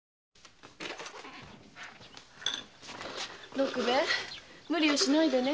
六兵衛無理をしないでね。